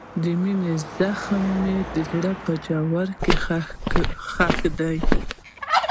د مینې زخمونه مې د زړه په ژورو کې ښخ دي.